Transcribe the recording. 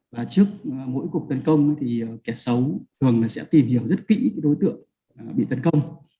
và trước mỗi cuộc tấn công thì kẻ xấu thường sẽ tìm hiểu rất kỹ đối tượng bị tấn công